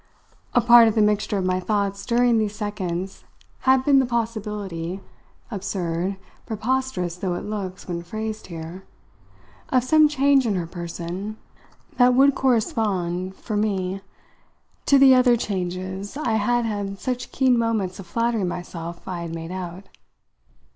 A part of the mixture of my thoughts during these seconds had been the possibility absurd, preposterous though it looks when phrased here of some change in her person that would correspond, for me to the other changes I had had such keen moments of flattering myself I had made out.